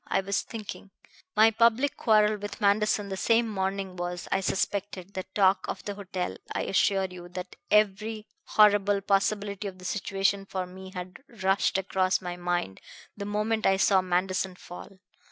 I was thinking. My public quarrel with Manderson the same morning was, I suspected, the talk of the hotel. I assure you that every horrible possibility of the situation for me had rushed across my mind the moment I saw Manderson fall.